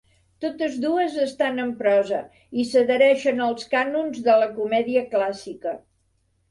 Totes dues estan en prosa i s'adhereixen als cànons de la comèdia clàssica.